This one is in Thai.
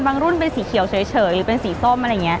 รุ่นเป็นสีเขียวเฉยหรือเป็นสีส้มอะไรอย่างนี้